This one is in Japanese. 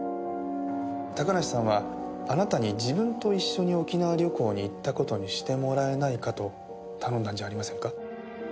高梨さんはあなたに自分と一緒に沖縄旅行に行った事にしてもらえないかと頼んだんじゃありませんか？